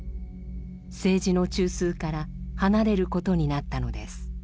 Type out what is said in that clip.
政治の中枢から離れる事になったのです。